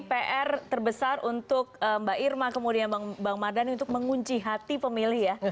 pr terbesar untuk mbak irma kemudian bang mardhani untuk mengunci hati pemilih ya